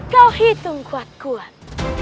kau hitung kuat kuat